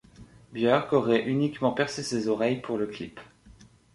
Björk aurait uniquement percé ses oreilles pour le clip.